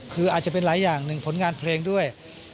คืออาจจะเป็นหลายอย่างหนึ่งผลงานเพลงด้วย